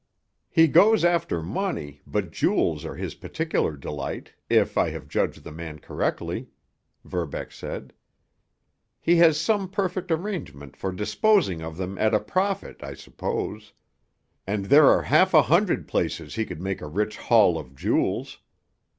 "He goes after money, but jewels are his particular delight, if I have judged the man correctly," Verbeck said. "He has some perfect arrangement for disposing of them at a profit, I suppose. And there are half a hundred places he could make a rich haul of jewels.